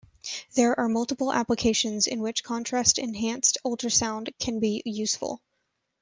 There are multiple applications in which contrast-enhanced ultrasound can be useful.